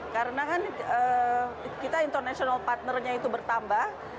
kita internasional partnernya itu bertambah